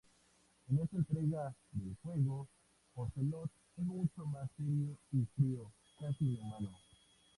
En esta entrega del juego, Ocelot es mucho más serio y frío, casi inhumano.